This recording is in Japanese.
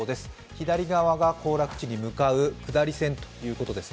左側が行楽地に向かう下り線ということです。